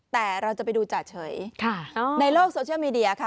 แต่เราจะไปดูจ่าเฉยในโลกโซเชียลมีเดียค่ะ